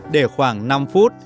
để khoảng năm phút